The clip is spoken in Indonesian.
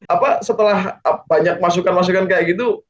apa setelah banyak masukan masukan kayak gitu